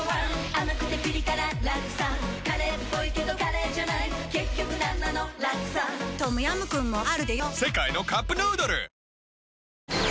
甘くてピリ辛ラクサカレーっぽいけどカレーじゃない結局なんなのラクサトムヤムクンもあるでヨ世界のカップヌードル